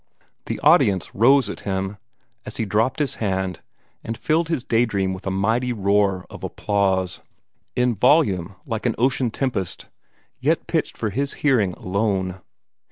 The audience rose at him, as he dropped his hand, and filled his day dream with a mighty roar of applause, in volume like an ocean tempest, yet pitched for his hearing alone.